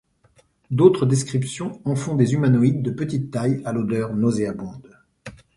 D'autres descriptions en font des humanoïdes de petite taille à l'odeur nauséabonde.